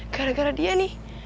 gara gara dia nih